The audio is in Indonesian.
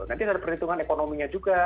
nanti ada perhitungan ekonominya juga